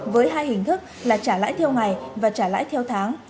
với hai hình thức là trả lãi theo ngày và trả lãi theo tháng